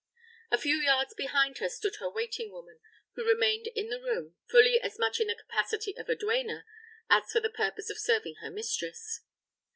A few yards behind her stood her waiting woman, who remained in the room, fully as much in the capacity of duenna, as for the purpose of serving her mistress.